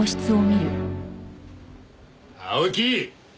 青木！